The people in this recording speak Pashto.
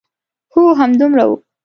هو، همدومره و.